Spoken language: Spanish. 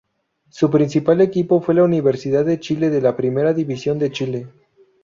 Su principal equipo fue Universidad de Chile de la Primera División de Chile.